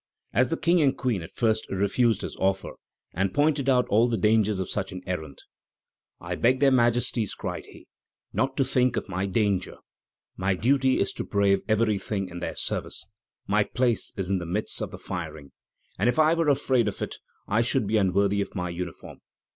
As the King and Queen at first refused his offer, and pointed out all the dangers of such an errand: "I beg Their Majesties," cried he, "not to think of my danger; my duty is to brave everything in their service; my place is in the midst of the firing, and if I were afraid of it I should be unworthy of my uniform."